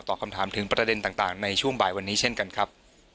คำถามถึงประเด็นต่างในช่วงบ่ายวันนี้เช่นกันครับ